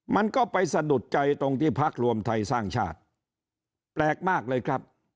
มันก็ไปสะดุดใจตรงที่พักรวมไทยสร้างชาติแปลกมากเลยครับ